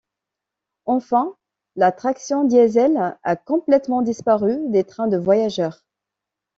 Enfin, la traction Diesel a complètement disparue des trains de voyageurs.